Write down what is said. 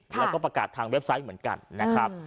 แล้วก็ประกาศทางเว็บไซต์เหมือนกันนะครับ